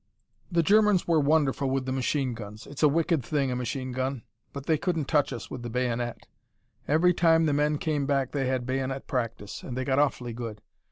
"The Germans were wonderful with the machine guns it's a wicked thing, a machine gun. But they couldn't touch us with the bayonet. Every time the men came back they had bayonet practice, and they got awfully good.